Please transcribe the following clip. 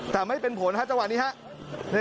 แต่ไม่เป็นผลฮะจังหวะนี้ครับ